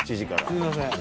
すいません。